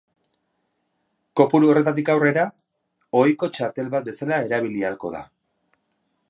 Kopuru horretatik aurrera, ohiko txartel bat bezala erabili ahalko da.